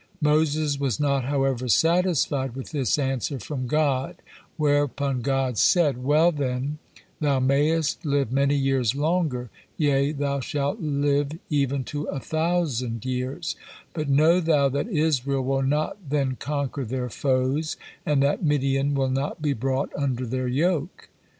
Moses was not, however, satisfied with this answer from God, whereupon God said: "Well then, thou mayest live many years longer, yea, thou shalt live even to a thousand years, but know thou that Israel will not then conquer their foes, and that Midian will not be brought under their yoke."